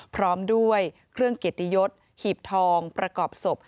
พร้อมด้วยเครื่องเกียรติยศหีบทองประกอบศพ